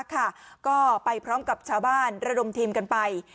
ก็ไปพร้อมกับชาวบ้านระดมทีมกันไป